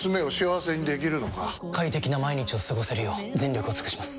快適な毎日を過ごせるよう全力を尽くします！